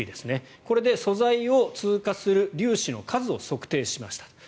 これで素材を通過する粒子の数を測定しました。